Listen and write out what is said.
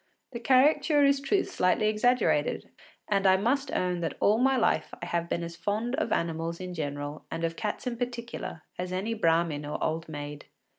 The caricature is truth slightly exaggerated, and I must own that all my life I have been as fond of animals in general and of cats in particular as any brahmin or old maid.